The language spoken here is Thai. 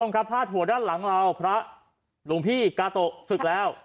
ต้องการพาดหัวด้านหลังเราพระหลวงพี่กาโตะสุดแล้ว